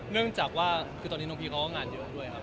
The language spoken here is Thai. เนื่องจากว่าคือตอนนี้น้องพีเขาก็งานเยอะด้วยครับ